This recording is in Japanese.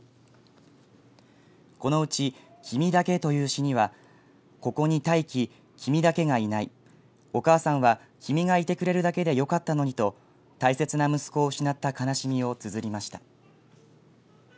このうち君だけ、という詩にはここに大輝、君だけがいないお母さんは君がいてくれるだけでよかったのにと大切な息子を失った悲しみをつづりました。